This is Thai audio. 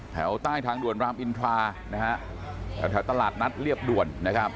แถวใต้ทางด่วนรามอินทรานะฮะแถวตลาดนัดเรียบด่วน